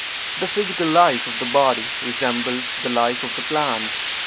The physical life of the body resembles the life of the plant.